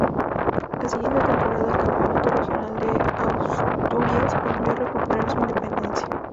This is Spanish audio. La siguiente temporada el Campeonato Regional de Asturias volvió a recuperar su independencia.